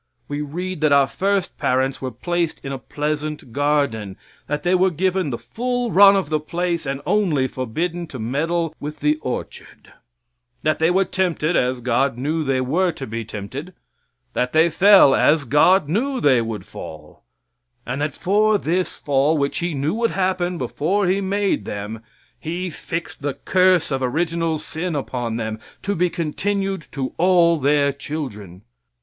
We read that our first parents were placed in a pleasant garden; that they were given the full run of the place and only forbidden to meddle with the orchard; that they were tempted as God knew they were to be tempted; that they fell as God knew they would fall, and that for this fall, which He knew would happen before He made them, He fixed the curse of original sin upon them, to be continued to all their children.